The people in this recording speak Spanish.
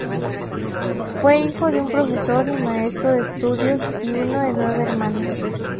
Fue hijo de un profesor y maestro de estudios y uno de nueve hermanos.